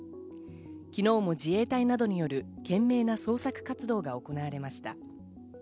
昨日も自衛隊などによる懸命な捜索活動が行われました。